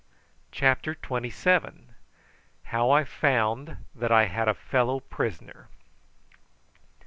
CHAPTER TWENTY SEVEN. HOW I FOUND THAT I HAD A FELLOW PRISONER.